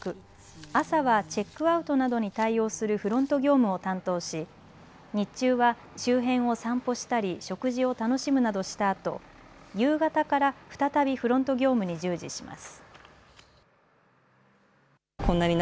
朝はチェックアウトなどに対応するフロント業務を担当し、日中は周辺を散歩したり食事を楽しむなどしたあと夕方から再びフロント業務に従事します。